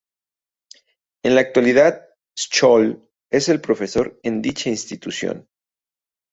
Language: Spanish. En la actualidad, Scholl es profesor en dicha institución.